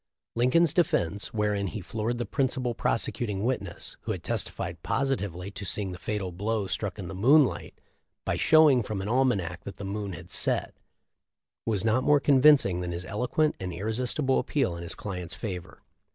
Lincoln's defense, wherein he floored the principal prosecuting witness, who had testified positively to seeing the fatal blow struck in the moonlight, by showing from an almanac that the moon had set, was not more convincing than his eloquent and irresistible appeal in his client's favor.